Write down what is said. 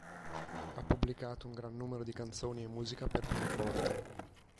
Ha pubblicato un gran numero di canzoni e musica per pianoforte.